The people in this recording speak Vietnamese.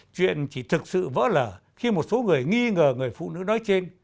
chuyện chỉ thực sự vỡ lở khi một số người nghi ngờ người phụ nữ nói trên